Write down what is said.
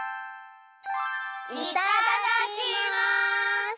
いただきます！